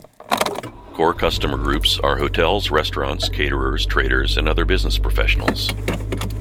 Core customer groups are hotels, restaurants, caterers, traders and other business professionals.